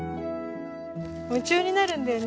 夢中になるんだよね